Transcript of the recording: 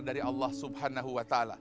dari allah swt